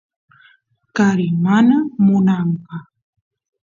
kari mana munanqa